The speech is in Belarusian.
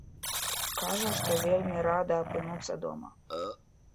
Кажа, што вельмі рады апынуцца дома.